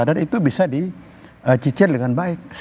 dan itu bisa dicicil dengan baik